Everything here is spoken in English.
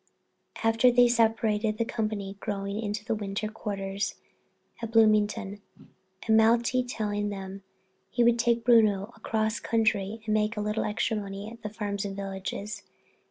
After that they separated, the company going into winter quarters at Bloomington and Malti telling them he would take Bruno across country and make a little extra money at the farms and villages.